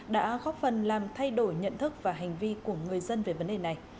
đã góp phần làm thay đổi nhận thức và hành vi của người dân về vấn đề này